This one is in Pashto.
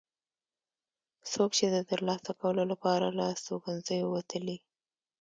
څوک چې د ترلاسه کولو لپاره له استوګنځیو وتلي.